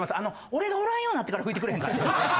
俺がおらんようになってから拭いてくれへんかって。